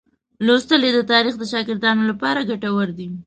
لوستل یې د تاریخ د شاګردانو لپاره ګټور دي.